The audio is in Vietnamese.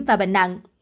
và bệnh nặng